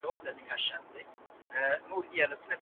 د قوانينو پلي کول غښتلي سياسي نظام ته اړتيا لري.